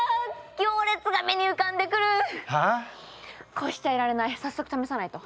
こうしちゃいられない早速試さないと。